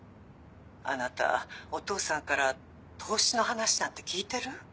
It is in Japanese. あなたお父さんから投資の話なんて聞いてる？